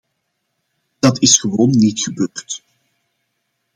Dat is gewoon niet gebeurd.